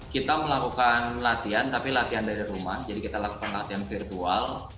kita melakukan latihan tapi latihan dari rumah jadi kita lakukan latihan virtual